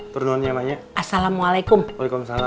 bernuanya maknya assalamualaikum waalaikumsalam